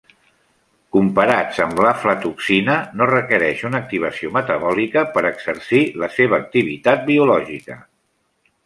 Comparats amb l’aflatoxina no requereixen una activació metabòlica per exercir la seva activitat biològica.